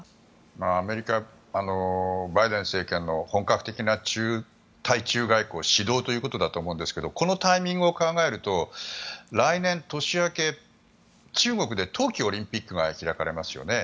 アメリカ・バイデン政権の本格的な対中外交の始動ということだと思いますがこのタイミングを考えると来年年明け、中国で冬季オリンピックが開かれますよね。